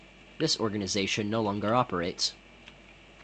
This organization no longer operates.